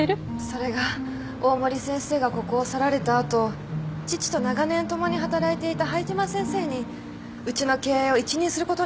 それが大森先生がここを去られた後父と長年共に働いていた灰島先生にうちの経営を一任することになったんです。